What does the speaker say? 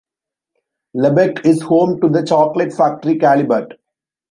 Lebbeke is home to the chocolate factory Callebaut.